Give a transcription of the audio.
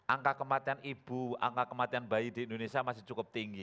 angka kematian ibu angka kematian bayi di indonesia masih cukup tinggi